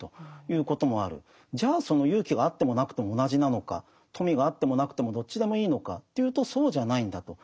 じゃあその勇気があってもなくても同じなのか富があってもなくてもどっちでもいいのかというとそうじゃないんだと。